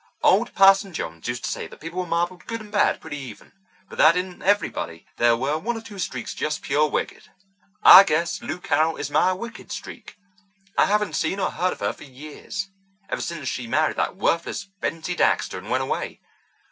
Old Parson Jones used to say that people were marbled good and bad pretty even, but that in everybody there were one or two streaks just pure wicked. I guess Lou Carroll is my wicked streak. I haven't seen or heard of her for years—ever since she married that worthless Dency Baxter and went away.